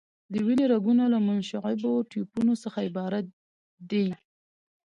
د وینې رګونه له منشعبو ټیوبونو څخه عبارت دي.